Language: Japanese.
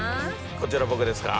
こちら僕ですか？